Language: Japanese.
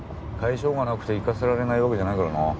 甲斐性がなくて行かせられないわけじゃないからな。